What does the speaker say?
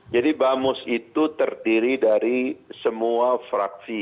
jadi bamus itu terdiri dari semua fraksi